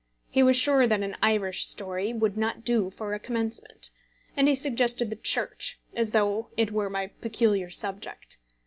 He was sure that an Irish story would not do for a commencement; and he suggested the Church, as though it were my peculiar subject.